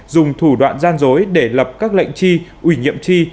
dùng thủ đoạn gian rối để lập các lệnh chi ủy nhiệm chi